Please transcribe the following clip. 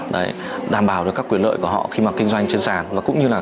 đảm bảo được các quyền lợi của họ khi mà kinh doanh trên sàn